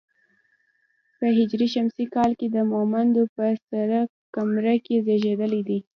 په هـ ش کال د مومندو په سره کمره کې زېږېدلی دی.